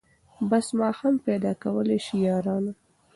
بس ما هم پیدا کولای سی یارانو